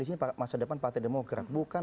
disini masa depan partai demokras bukan